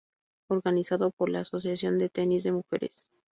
Organizado por la Asociación de Tenis de Mujeres.